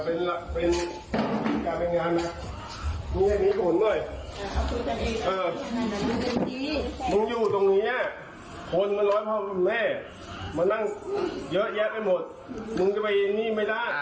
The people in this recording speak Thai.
มันนั่งเยอะแยะไปหมดมึงจะไปนี่ไม่ได้